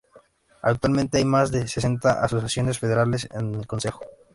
Actualmente, hay más de sesenta asociaciones federadas en el consejo.